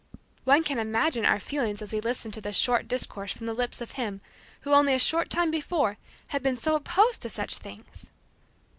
One can imagine our feelings as we listened to this strange discourse from the lips of him who only a short time before had been so opposed to such things!